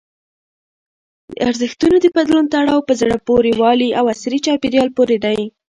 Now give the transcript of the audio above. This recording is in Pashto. د ارزښتونو د بدلون تړاو په زړه پورې والي او عصري چاپېریال پورې دی.